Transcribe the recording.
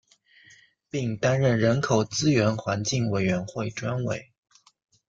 并担任人口资源环境委员会专委。